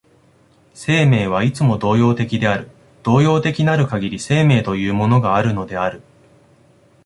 生命はいつも動揺的である、動揺的なるかぎり生命というものがあるのである。